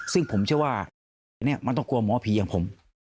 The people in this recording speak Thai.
ซึ่งผมเชื่อว่าเพจนี้มันต้องกลัวหมอผีอย่างผม